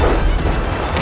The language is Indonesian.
aku akan menang